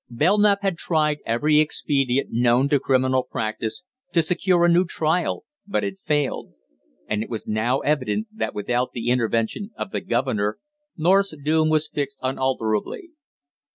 Belknap had tried every expedient known to criminal practice to secure a new trial but had failed, and it was now evident that without the intervention of the governor, North's doom was fixed unalterably.